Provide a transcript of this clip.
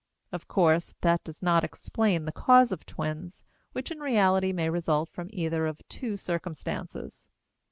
Of course, that does not explain the cause of twins, which in reality may result from either of two circumstances.